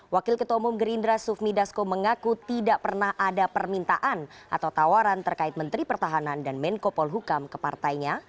wakil ketua umum gerindra sufmi dasko mengaku tidak pernah ada permintaan atau tawaran terkait menteri pertahanan dan menko polhukam ke partainya